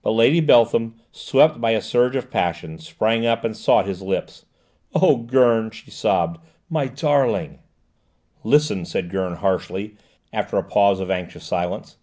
But Lady Beltham, swept by a surge of passion, sprang up and sought his lips. "Oh, Gurn!" she sobbed "my darling!" "Listen," said Gurn harshly, after a pause of anxious silence.